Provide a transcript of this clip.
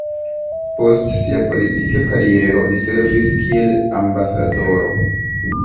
Post sia politika kariero li servis kiel ambasadoro.